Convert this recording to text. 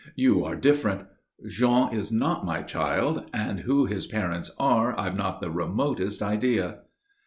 You are different. Jean is not my child, and who his parents are I've not the remotest idea."